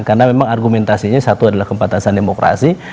karena memang argumentasinya satu adalah kepantasan demokrasi